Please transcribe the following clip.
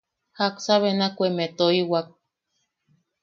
–¿Jaksa benakumeʼe toiwak?